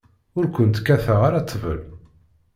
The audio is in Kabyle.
Ur kent-kkateɣ ara ṭṭbel.